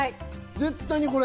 絶対これ！